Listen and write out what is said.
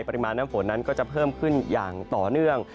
ปริมาณน้ำฝนนั้นก็จะเพิ่มขึ้นอย่างต่อเนื่อง